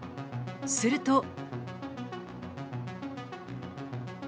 すると。